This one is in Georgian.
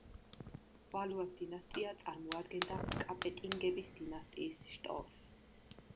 ვალუას დინასტია წარმოადგენდა კაპეტინგების დინასტიის შტოს.